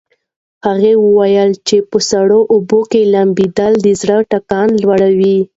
هغه وویل چې په سړو اوبو کې لامبېدل د زړه ټکان لوړوي.